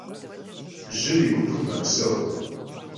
Jır yi gupeu mepseu.